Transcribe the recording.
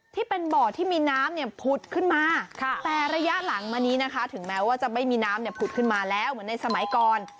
ที่เป็นบ่อที่มีน้ำเนี่ยผุดขึ้นมาแต่ระยะหลังมานี้นะคะถึงแม้ว่าจะไม่มีน้ำเนี่ยผุดขึ้นมาแล้วเหมือนในสมัยก่อน